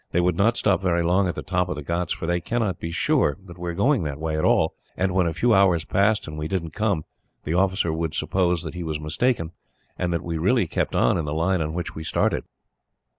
They would not stop very long at the top of the ghauts, for they cannot be sure that we are going that way, at all, and when a few hours passed, and we didn't come, the officer would suppose that he was mistaken, and that we really kept on in the line on which we started."